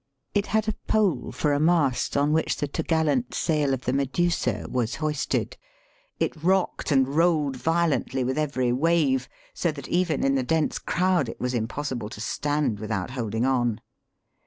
It had a pole for a mast, on which the top gallant sail of the Medusa was hoisted. It rocked and rolled violently with every wave, so that even in the dense crowd it was impossible to stand without holding on.